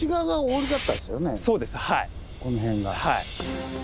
はい。